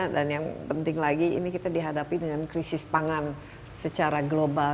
dan yang penting lagi ini kita dihadapi dengan krisis pangan secara global